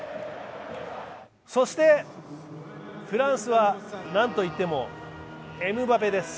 そしてフランスは何と言ってもエムバペです。